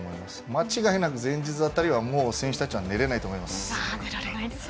間違いなく前日辺りは選手たちは寝られないと思います。